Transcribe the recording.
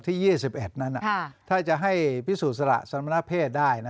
ที่๒๑นั้นน่ะถ้าจะให้พิสูจน์สาระสรรพเพศได้